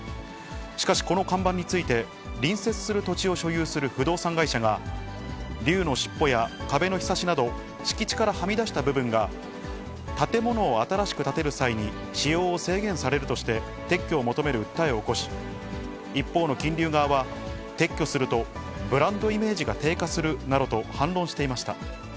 しかし、この看板について、隣接する土地を所有する不動産会社が、龍の尻尾や壁のひさしなど、敷地からはみ出した部分が、建物を新しく建てる際に使用を制限されるとして、撤去を求める訴えを起こし、一方の金龍側は、撤去するとブランドイメージが低下するなどと、反論していました。